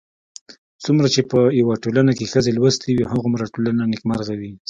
څومره چې په يوه ټولنه کې ښځې لوستې وي، هومره ټولنه نېکمرغه وي